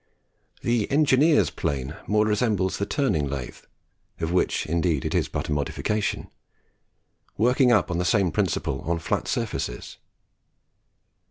The engineer's plane more resembles the turning lathe, of which indeed it is but a modification, working up on the same principle, on flat surfaces.